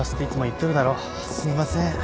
すみません。